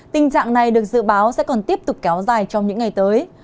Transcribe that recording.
tình trạng này được dự báo sẽ còn tiếp tục kéo dài trong những ngày tới